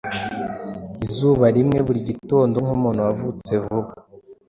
izuba rimwe Buri gitondo, nkumuntu wavutse vuba,